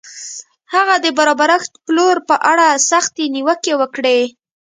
هغه د برابرښت پلور په اړه سختې نیوکې وکړې.